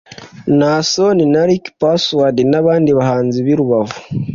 Naason na Rick Password n’abandi bahanzi b’i Rubavu